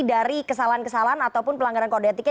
dari kesalahan kesalahan ataupun pelanggaran kode etiknya